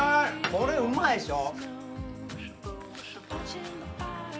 これうまいでしょ。